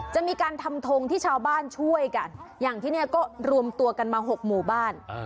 จะมีการทำทงที่ชาวบ้านช่วยกันอย่างที่เนี่ยก็รวมตัวกันมา๖หมู่บ้าน